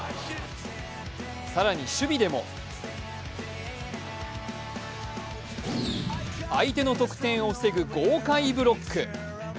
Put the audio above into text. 更に守備でも相手の得点を防ぐ豪快ブロック。